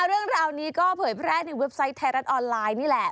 เรื่องราวนี้ก็เผยแพร่ในเว็บไซต์ไทยรัฐออนไลน์นี่แหละ